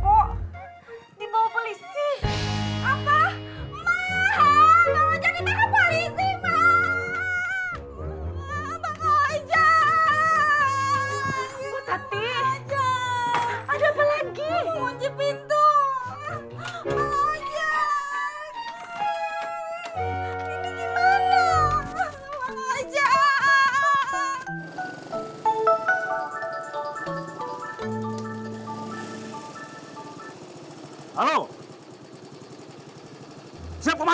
kok dibawa polisi apa mahal jadi takut polisi mah